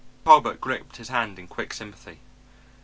Talbot gripped his hand in quick sympathy.